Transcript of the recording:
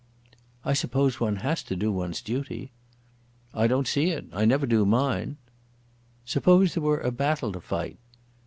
"I suppose one has to do one's duty." "I don't see it. I never do mine." "Suppose there were a battle to fight."